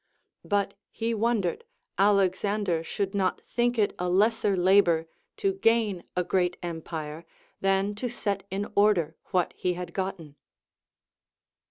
Bu t he wondered Alexander should not think it a lesser labor to gain a great empire than to set in order Avhat he had gotten.